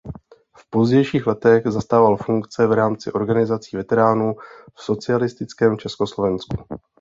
V pozdějších letech zastával funkce v rámci organizací veteránů v socialistickém Československu.